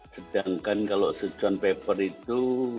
sedangkan kalau suchant pepper itu